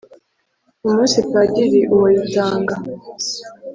Umunsi Padiri uwo ayitanga,